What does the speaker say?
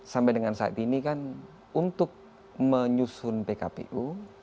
sampai dengan saat ini kan untuk menyusun pkpu